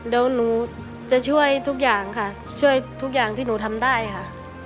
เดี๋ยวหนูจะช่วยทุกอย่างค่ะช่วยทุกอย่างที่หนูทำได้ค่ะ